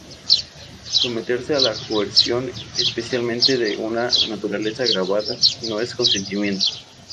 Someterse a la coerción, especialmente de una naturaleza agravada, no es consentimiento.